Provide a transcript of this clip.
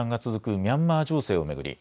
ミャンマー情勢を巡り